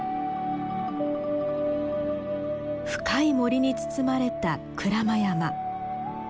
深い森に包まれた鞍馬山。